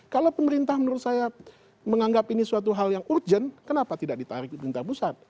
kalau pemerintah menurut saya menganggap ini suatu hal yang urgent kenapa tidak ditarik pemerintah pusat